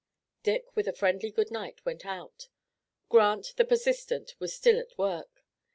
Dick with a friendly good night went out. Grant, the persistent, was still at work.